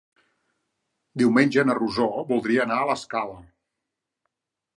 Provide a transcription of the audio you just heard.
Diumenge na Rosó voldria anar a l'Escala.